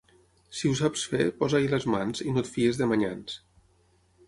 Si ho saps fer, posa-hi les mans, i no et fiïs de manyans.